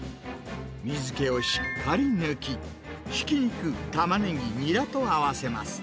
水けをしっかり抜き、ひき肉、タマネギ、ニラと合わせます。